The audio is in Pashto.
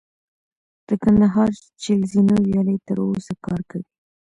د کندهار چل زینو ویالې تر اوسه کار کوي